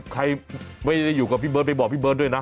ใครไม่ได้อยู่กับพี่เบิร์ดไปบอกพี่เบิร์ตด้วยนะ